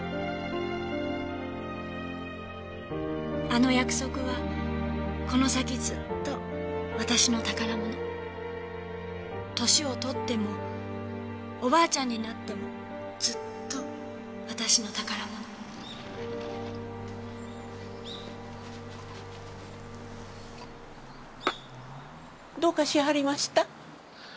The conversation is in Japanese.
「あの約束はこの先ずっと私の宝物」「年を取ってもおばあちゃんになってもずっと私の宝物」どうかしはりました？